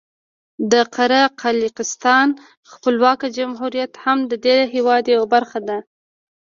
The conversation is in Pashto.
د قره قالیاقستان خپلواکه جمهوریت هم د دې هېواد یوه برخه ده.